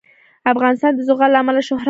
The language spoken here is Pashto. افغانستان د زغال له امله شهرت لري.